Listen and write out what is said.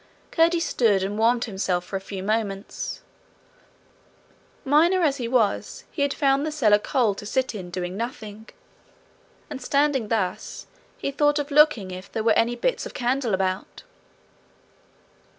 Curdie stood and warmed himself for a few moments: miner as he was, he had found the cellar cold to sit in doing nothing; and standing thus he thought of looking if there were any bits of candle about.